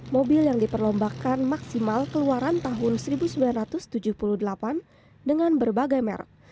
mobil yang diperlombakan maksimal keluaran tahun seribu sembilan ratus tujuh puluh delapan dengan berbagai merek